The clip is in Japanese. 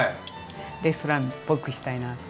レストランっぽくしたいなと。